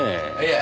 え？